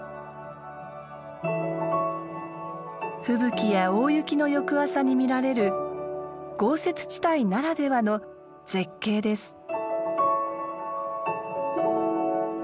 吹雪や大雪の翌朝に見られる豪雪地帯ならではの絶景です。